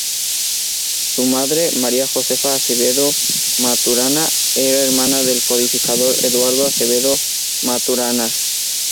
Su madre, María Josefa Acevedo Maturana, era hermana del codificador Eduardo Acevedo Maturana.